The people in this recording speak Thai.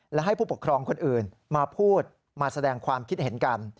และให้ผู้ปกครองคนอื่นมาพูดมาแสดงความคิดเห็นกัน